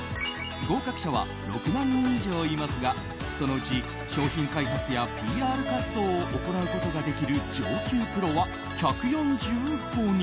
合格者は６万人以上いますがそのうち商品開発やＰＲ活動を行うことができる上級プロは、１４５人。